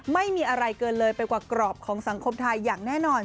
ไม่มีอะไรเกินเลยไปกว่ากรอบของสังคมไทยอย่างแน่นอน